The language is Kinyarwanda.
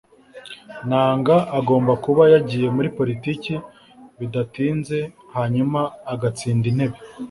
nanga agomba kuba yagiye muri politiki bidatinze hanyuma agatsinda intebe